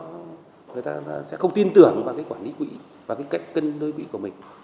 người ta sẽ không tin tưởng vào cái quản lý quỹ và cái cách cân đối quỹ của mình